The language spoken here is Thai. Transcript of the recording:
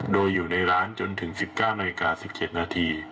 โดยอยู่ในร้านจนถึง๑๙นาฬิกา๑๗นาที